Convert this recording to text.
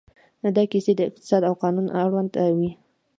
دا کیسې د اقتصاد او قانون اړوند وې.